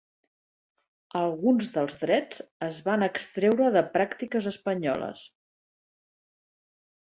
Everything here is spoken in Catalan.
Alguns dels drets es van extreure de pràctiques espanyoles.